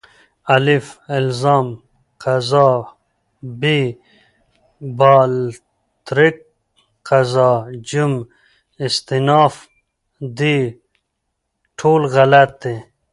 الف: الزام قضا ب: باالترک قضا ج: استیناف د: ټول غلط دي